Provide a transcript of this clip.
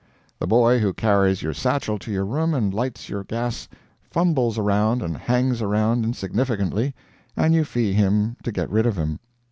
The boy who carries your satchel to your room and lights your gas fumbles around and hangs around significantly, and you fee him to get rid of him.